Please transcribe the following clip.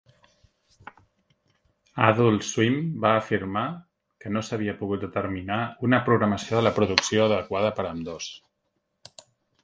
Adult Swim va afirmar que no s'havia pogut determinar una programació de la producció adequada per a ambdós.